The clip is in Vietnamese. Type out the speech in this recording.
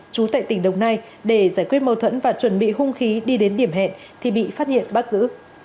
chú tại tỉnh đồng nai để giải quyết mâu thuẫn và chuẩn bị hung khí đi đến điểm hẹn thì bị phát hiện bắt giữ